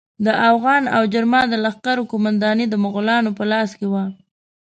د اوغان او جرما د لښکرو قومانداني د مغولانو په لاس کې وه.